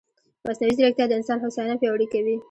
مصنوعي ځیرکتیا د انسان هوساینه پیاوړې کوي.